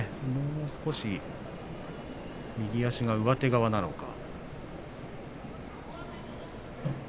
もう少し、右足が上手側なのか。